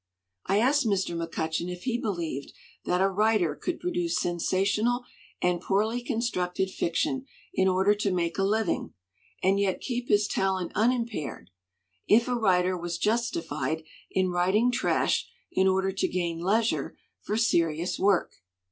I asked Mr. McCutcheon if he believed that a writer could produce sensational and poorly con structed fiction in order to make a living and yet keep his talent unimpaired; if a writer was jus tified in writing trash in order to gain leisure for serious work.